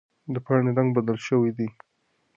د پاڼې رنګ بدل شوی دی.